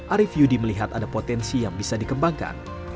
arief yudi melihat ada potensi yang bisa dikembangkan